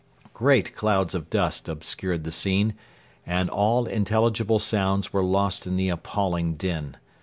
Great clouds of dust obscured the scene, and all intelligible sounds were lost in the appalling din.